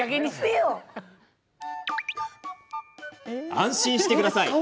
安心してください。